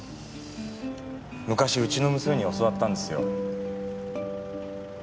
昔うちの娘に教わったんですよ。